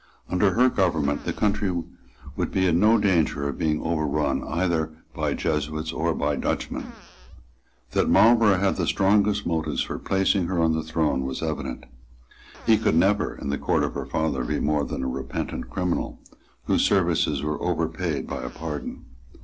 Under her government the country would be in no danger of being overrun either by Jesuits or by Dutchmen. That Marlborough had the strongest motives for placing her on the throne was evident. He could never, in the court of her father, be more than a repentant criminal, whose services were overpaid by a pardon.